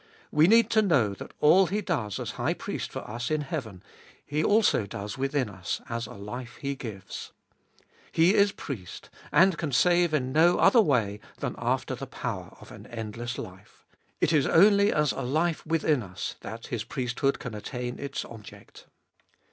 We need to know that all He does as High Priest for us in heaven. He also does within us as a life He gives. He is Priest, and can save in no other way, than after the power of an endless life. It Is only as a life within us that His priesthood can attain its object.